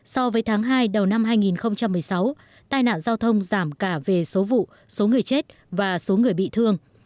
so với tháng hai đầu năm hai nghìn một mươi sáu tai nạn giao thông giảm cả về số vụ số người chết và số người bị thương